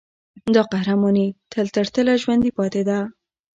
دا قهرماني تله ترتله ژوندي پاتې ده.